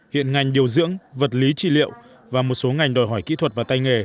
hiện ngành điều dưỡng vật lý trị liệu và một số ngành đòi hỏi kỹ thuật và tay nghề